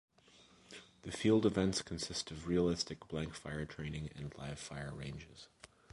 The field events consist of realistic blank-fire training and live fire ranges.